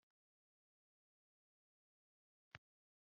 utagize icyo umaze v wowe uta